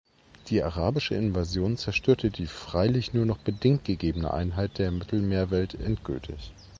Die arabische Invasion zerstörte die freilich nur noch bedingt gegebene Einheit der Mittelmeerwelt endgültig.